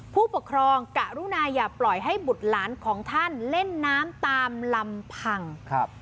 ผู้ปกครองกรุณาอย่าปล่อยให้บุตรหลานของท่านเล่นน้ำตามลำพังครับ